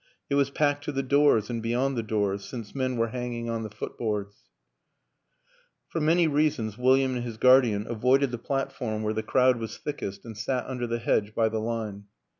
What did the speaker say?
It was packed to the doors and beyond the doors since men were hanging on the footboards. 184 WILLIAM AN ENGLISHMAN For many reasons William and his guardian avoided the platform where the crowd was thick est and sat under the hedge by the line.